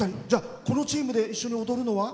このチームで一緒に歌うのは？